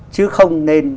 chứ không nên